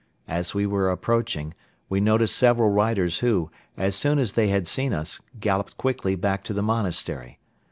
As we were approaching, we noticed several riders who, as soon as they had seen us, galloped quickly back to the monastery.